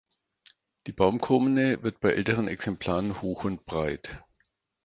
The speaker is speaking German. Die Baumkrone wird bei älteren Exemplaren hoch und breit.